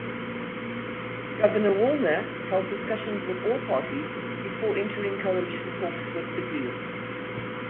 Governor Wallner held discussions with all parties before entering coalition talks with the Greens.